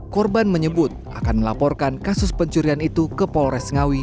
korban menyebut akan melaporkan kasus pencurian itu ke polres ngawi